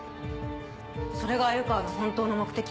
それが鮎川の本当の目的？